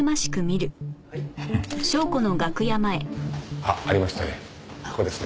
あっありましたね。